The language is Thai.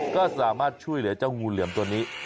ก็สามารถช่วยเหลือเจ้างูเหลือมตัวนี้